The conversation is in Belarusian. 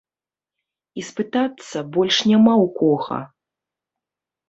І спытацца больш няма ў кога.